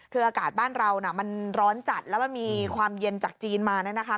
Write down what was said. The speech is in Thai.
คืออากาศบ้านเราน่ะมันร้อนจัดแล้วมันมีความเย็นจากจีนมาเนี่ยนะคะ